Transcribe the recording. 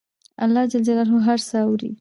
الله ج هر څه اوري